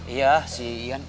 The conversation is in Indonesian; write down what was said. iya si iyan